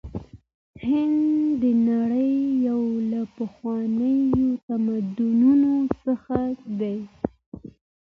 هند د نړۍ یو له پخوانیو تمدنونو څخه دی.